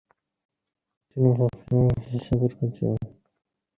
আমাকে মানুষের জন্য কিছু করিতে দিন।